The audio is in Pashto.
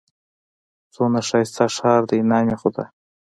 څونه ښايسته ښار دئ! نام خدا!